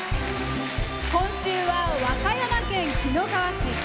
今週は和歌山県紀の川市。